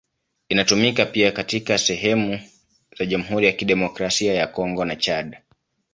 Inatumika pia katika sehemu za Jamhuri ya Kidemokrasia ya Kongo na Chad.